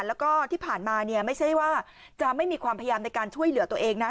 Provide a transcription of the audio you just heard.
แล้วก็ที่ผ่านมาเนี่ยไม่ใช่ว่าจะไม่มีความพยายามในการช่วยเหลือตัวเองนะ